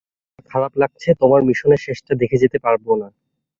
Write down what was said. আমার খারাপ লাগছে, তোমার মিশনের শেষটা দেখে যেতে পারবো না।